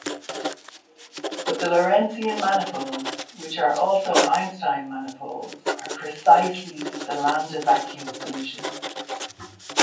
But the Lorentzian manifolds which are also Einstein manifolds are precisely the Lambdavacuum solutions.